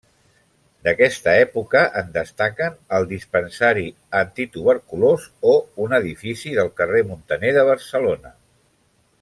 D'aquesta època en destaquen el Dispensari Antituberculós o un edifici del carrer Muntaner de Barcelona.